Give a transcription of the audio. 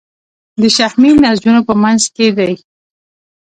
د شحمي نسجونو په منځ کې دي.